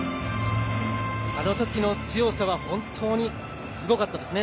あの時の強さは本当にすごかったですね